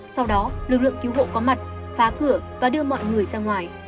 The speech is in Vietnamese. sau đó lực lượng cứu hộ có mặt phá cửa và đưa mọi người ra ngoài